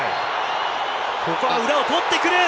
ここは裏を取ってくる！